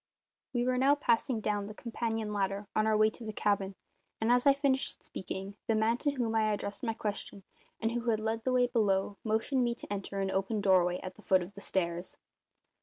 We were now passing down the companion ladder on our way to the cabin, and as I finished speaking the man to whom I addressed my question, and who had led the way below, motioned me to enter an open doorway at the foot of the stairs.